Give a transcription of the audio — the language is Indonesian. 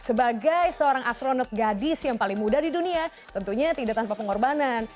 sebagai seorang astronot gadis yang paling muda di dunia tentunya tidak tanpa pengorbanan